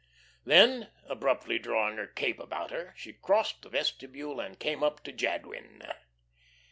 Then, abruptly drawing her cape about her, she crossed the vestibule and came up to Jadwin.